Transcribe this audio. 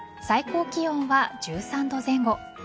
最高気温は１３度前後。